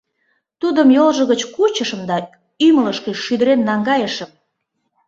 Тудым йолжо гыч кучышым да ӱмылышкӧ шӱдырен наҥгайышым.